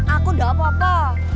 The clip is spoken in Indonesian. aku udah apa apa